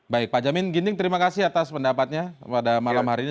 baik pak jamin ginding terima kasih atas pendapatnya pada malam hari ini